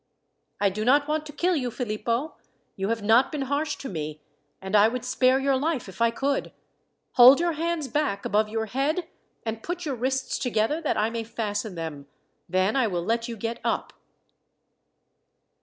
"I do not want to kill you, Philippo. You have not been harsh to me, and I would spare your life if I could. Hold your hands back above your head, and put your wrists together that I may fasten them. Then I will let you get up."